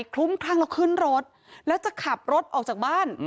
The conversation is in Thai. ลุ้มคลั่งแล้วขึ้นรถแล้วจะขับรถออกจากบ้าน